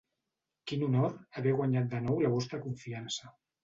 Quin honor haver guanyat de nou la vostra confiança.